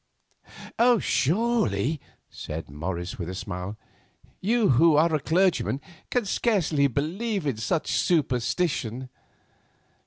"Surely," said Morris, with a smile, "you who are a clergyman, can scarcely believe in such superstition?"